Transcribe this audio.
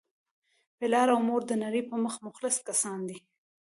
پلار او مور دنړۍ په مخ مخلص کسان دي